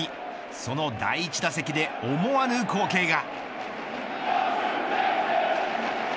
その第１打席で思わぬ光景が。